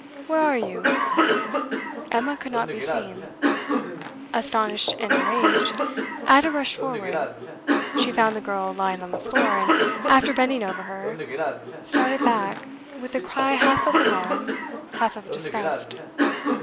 'Where are you?' Emma could not be seen. Astonished and enraged, Ada rushed forward; she found the girl lying on the floor, and after bending over her, started back with a cry half of alarm, half of disgust.